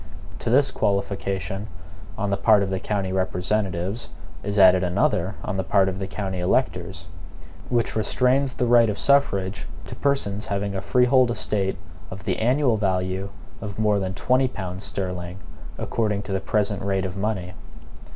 To this qualification on the part of the county representatives is added another on the part of the county electors, which restrains the right of suffrage to persons having a freehold estate of the annual value of more than twenty pounds sterling, according to the present rate of money.